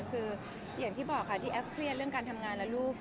คืออย่างที่บอกค่ะที่แอฟเครียดเรื่องการทำงานและลูก